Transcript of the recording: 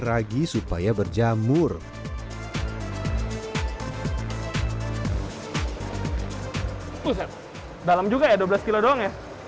bang ini kenapa harus dikeringin dulu bang